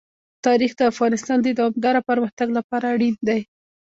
تاریخ د افغانستان د دوامداره پرمختګ لپاره اړین دي.